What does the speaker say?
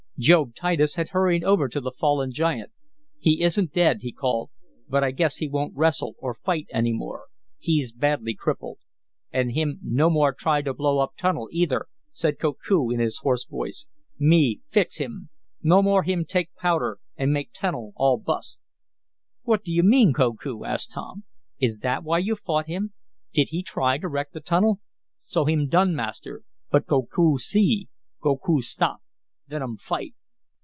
Job Titus had hurried over to the fallen giant. "He isn't dead," he called, "but I guess he won't wrestle or fight any more. He's badly crippled." "And him no more try to blow up tunnel, either," said Koku in his hoarse voice. "Me fix: him! No more him take powder, and make tunnel all bust." "What do you mean, Koku?" asked Tom. "Is that why you fought him? Did he try to wreck the tunnel?" "So him done, Master. But Koku see Koku stop. Then um fight."